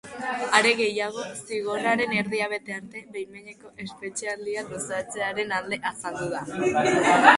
Are gehiago, zigorraren erdia bete arte behin-behineko espetxealdia luzatzearen alde azaldu da.